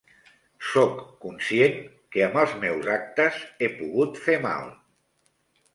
Soc conscient que amb els meus actes he pogut fer mal.